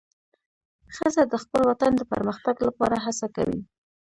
ښځه د خپل وطن د پرمختګ لپاره هڅه کوي.